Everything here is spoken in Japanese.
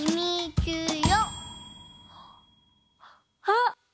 あっ！